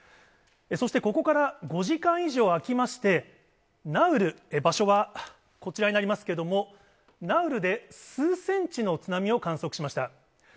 そしてここから５時間以上空きまして、ナウル、場所はこちらになりますけれども、ナウルで数センチの津波を観測しました。